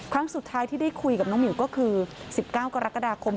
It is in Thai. ครั้งสุดท้ายที่ได้คุยกับน้องหมิวก็คือ๑๙กรกฎาคม